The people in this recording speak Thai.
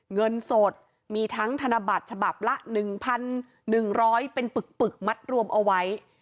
เงินสดมีทั้งธนบัตรฉบับละ๑๑๐๐เป็นปึกมัดรวมเอาไว้